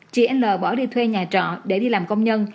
chị l bỏ đi thuê nhà trọ để đi làm công nhân